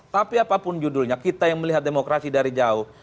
tapi apapun judulnya kita yang melihat demokrasi dari jauh